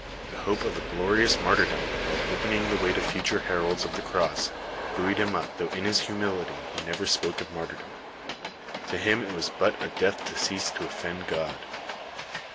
The hope of a glorious martyrdom while opening the way to future heralds of the cross, buoyed him up, though in iiij im mility he never spoke of martyrdom. To him it was but *'a death to cease to offend Ood."